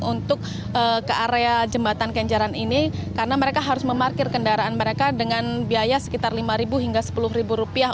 untuk ke area jembatan kenjaran ini karena mereka harus memarkir kendaraan mereka dengan biaya sekitar lima hingga sepuluh rupiah